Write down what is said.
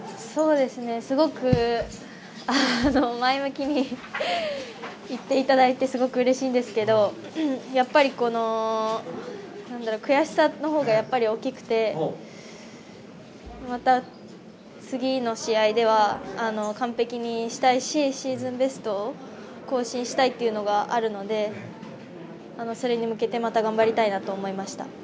すごく前向きに言っていただいてすごくうれしいんですけどやっぱり悔しさのほうがやっぱり大きくてまた次の試合では完璧にしたいしシーズンベストを更新したいというのがあるのでそれに向けてまた頑張りたいなと思いました。